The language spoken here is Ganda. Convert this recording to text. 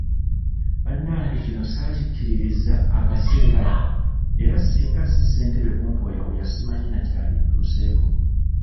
Bannange kino ssaakikkiriza akaseera ako era singa ssi Ssentebe kumpooyawooya simanyi na kyalintuuseeko.